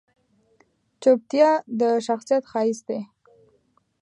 چپتیا، د شخصیت ښایست دی.